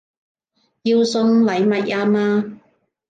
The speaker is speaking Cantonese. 要送禮物吖嘛